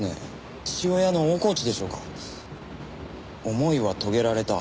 「思いは遂げられた。